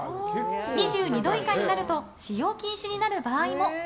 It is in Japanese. ２２度以下になると使用禁止になる場合も。